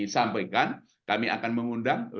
sampaikan kami akan mengundang